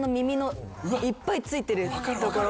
いっぱい付いてるところ。